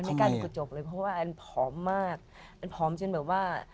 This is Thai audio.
กล้าดูกระจกเลยเพราะว่าอันผอมมากอันผอมจนแบบว่า